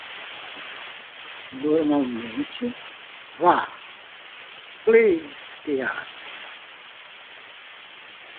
Normalmente vá pleitear